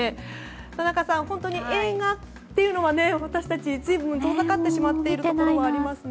田中さん、本当に映画というのは私たち、随分遠ざかってしまっているところありますね。